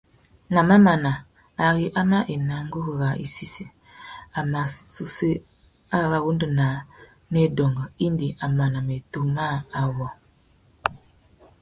Nà mamana, ari a mà ena nguru râā i sissa, a mà séssa wa wanda naā nà adôngô indi a mana matiō mâā awô.